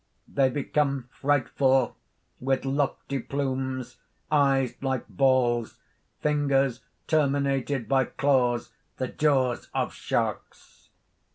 They become frightful, with lofty plumes, eyes like balls, fingers terminated by claws, the jaws of sharks.